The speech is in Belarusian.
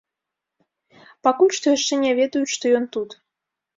Пакуль што яшчэ не ведаюць, што ён тут.